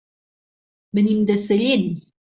Venim de Sellent.